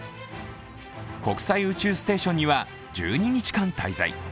国際宇宙ステーションには１２日間滞在。